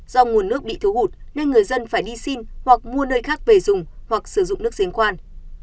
do nguồn nước bị thiếu hụt nên người dân phải đi xin hoặc mua nơi khác về dùng hoặc sử dụng nước sinh quan